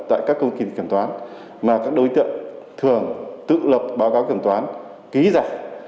tại các công ty kiểm toán mà các đối tượng thường tự lập báo cáo kiểm toán ký giả